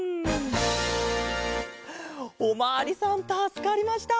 おまわりさんたすかりました。